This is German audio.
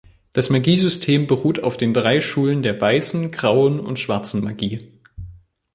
Das Magie-System beruht auf den drei Schulen der weißen, grauen und schwarzen Magie.